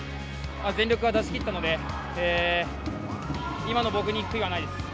全力は出し切ったので、今の僕に悔いはないです。